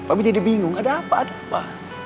kamu jadi bingung ada apa ada apa